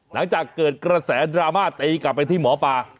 หลังจากเกิดกระแสดราม่าตีกลับไปที่หมอปลา